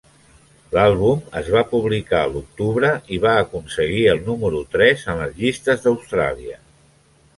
L'àlbum es va publicar a l'octubre i va aconseguir el número tres en les llistes d'Austràlia.